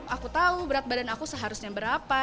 aku tahu berat badan aku seharusnya berapa